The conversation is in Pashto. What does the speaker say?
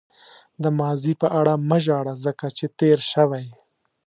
د ماضي په اړه مه ژاړه ځکه چې تېر شوی.